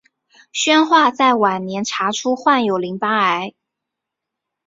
宣化在晚年查出患有淋巴癌。